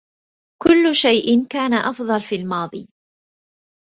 كل شيء كان أفضل في الماضي.